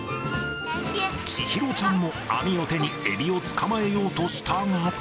千尋ちゃんも網を手にエビを捕まえようとしたが。